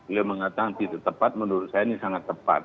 beliau mengatakan tidak tepat menurut saya ini sangat tepat